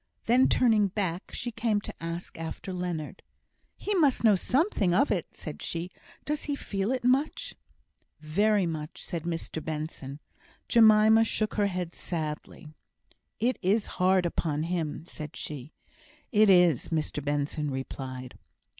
Then turning back, she came to ask after Leonard. "He must know something of it," said she. "Does he feel it much?" "Very much," said Mr Benson. Jemima shook her head sadly. "It is hard upon him," said she. "It is," Mr Benson replied.